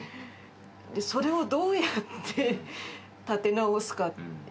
それをどうやって立て直すか。